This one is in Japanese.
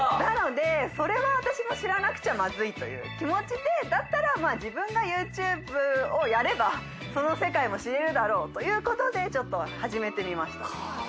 それは私も知らなくちゃマズいという気持ちでだったら自分がＹｏｕＴｕｂｅをやればその世界も知れるだろうということでちょっと始めてみました。